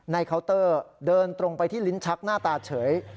เคาน์เตอร์เดินตรงไปที่ลิ้นชักหน้าตาเฉย